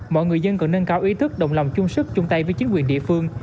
mọi người dân cần nâng cao ý thức đồng lòng chung sức chung tay với chính quyền địa phương